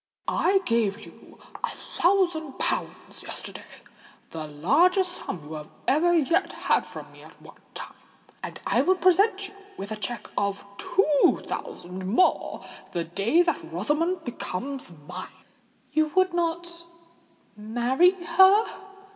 I gave you a thousand pounds yesterday—the largest sum you have ever yet had from me at one time; and I will present you with a cheque for two thousand more the day that Rosamond becomes mine." "You would not marry her?"